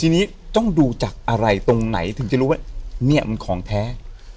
ทีนี้ต้องดูจากอะไรตรงไหนถึงจะรู้ว่าเนี่ยมันของแท้